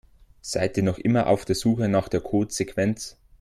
Seid ihr noch immer auf der Suche nach der Codesequenz?